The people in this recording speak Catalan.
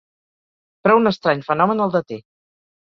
Però un estrany fenomen el deté.